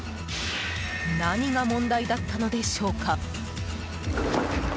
何が問題だったのでしょうか。